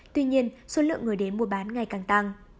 tuy nhiên số lượng người đến mua bán ngày càng tăng